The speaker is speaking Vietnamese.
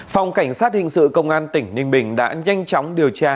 phòng cảnh sát hình sự công an tỉnh ninh bình đã nhanh chóng điều tra